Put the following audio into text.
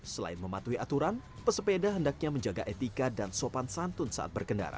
selain mematuhi aturan pesepeda hendaknya menjaga etika dan sopan santun saat berkendara